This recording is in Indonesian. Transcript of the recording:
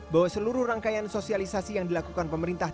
bahwa seluruh rangkaian sosialisasi yang dilakukan pemerintah